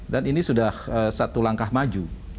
dan ini sudah satu langkah maju